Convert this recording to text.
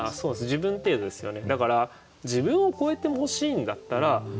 自分程度ですよね。